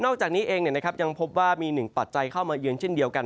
จากนี้เองยังพบว่ามีหนึ่งปัจจัยเข้ามาเยือนเช่นเดียวกัน